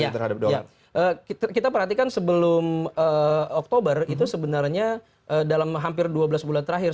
kita perhatikan sebelum oktober itu sebenarnya dalam hampir dua belas bulan terakhir